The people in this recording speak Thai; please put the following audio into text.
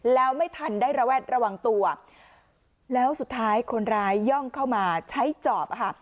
แล้วไม่ทันได้ระแวดระวังตัวแล้วสุดท้ายคนร้ายย่องเข้ามาใช้จอบค่ะ